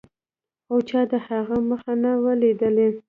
خو چا د هغه مخ نه و لیدلی.